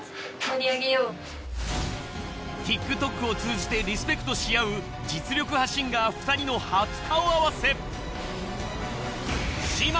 ＴｉｋＴｏｋを通じてリスペクトし合う実力派シンガー２人の初顔合わせ。